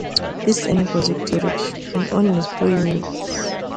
This enables it to reach in only three minutes.